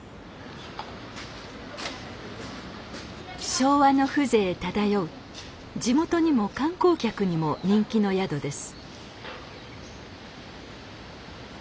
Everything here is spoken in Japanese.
昭和の風情漂う地元にも観光客にも人気の宿です。